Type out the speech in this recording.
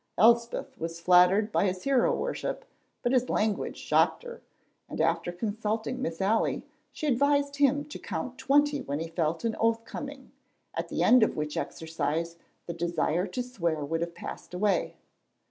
Elspeth was flattered by his hero worship, but his language shocked her, and after consulting Miss Ailie she advised him to count twenty when he felt an oath coming, at the end of which exercise the desire to swear would have passed away.